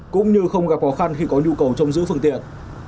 cũng như không gặp khó khăn khi có nhu cầu trong giữ phương tiện